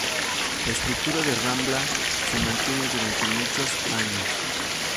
La estructura de Rambla se mantiene durante muchos años.